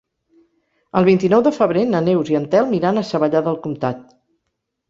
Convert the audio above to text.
El vint-i-nou de febrer na Neus i en Telm iran a Savallà del Comtat.